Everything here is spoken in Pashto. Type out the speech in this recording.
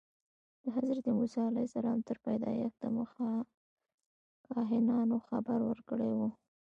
د حضرت موسی علیه السلام تر پیدایښت دمخه کاهنانو خبر ورکړی و.